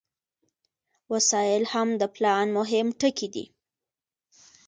وسایل هم د پلان مهم ټکي دي.